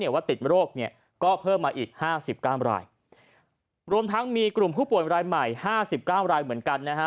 ว่าติดโรคเนี่ยก็เพิ่มมาอีกห้าสิบเก้ารายรวมทั้งมีกลุ่มผู้ป่วยรายใหม่ห้าสิบเก้ารายเหมือนกันนะฮะ